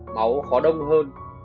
máu khó đông hơn